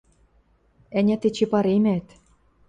Ӓнят, эче паремӓт...